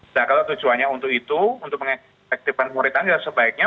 nah kalau tujuannya untuk itu untuk mengefektifkan murid murid sebaiknya